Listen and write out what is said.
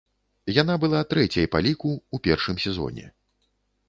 Яна была трэцяй па ліку ў першым сезоне.